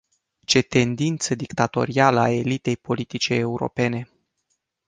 Ce tendință dictatorială a elitei politice europene!